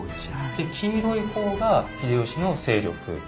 で黄色い方が秀吉の勢力。